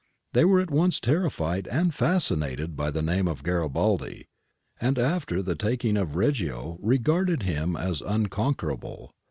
They were at once terrified and fascinated by the name of Garibaldi, and after the taking of Reggio regarded him as uncon querable.